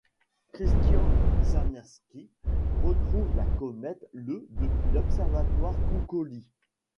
Krisztián Sárneczky retrouve la comète le depuis l'observatoire Konkoly.